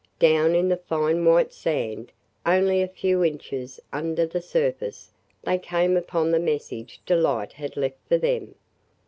Down in the fine white sand, only a few inches under the surface, they came upon the message Delight had left for them.